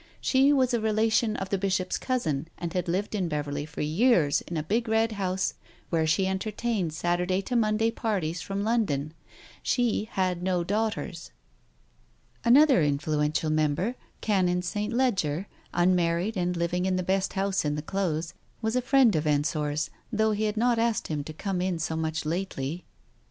She was a relation of the Bishop's cousin, and had lived in Beverley for years in a big red house where she entertained Saturday to Monday parties from London. She had no daughters. Another influential member, Canon St. Leger, un married, and living in the best house in the Close, was a friend of Ensor's, though he had not asked him to come in so much lately.